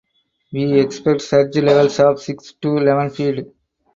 We expect surge levels of six to eleven feet.